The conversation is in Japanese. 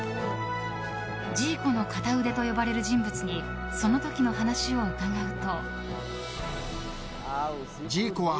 ジーコの片腕と呼ばれる人物にそのときの話を伺うと。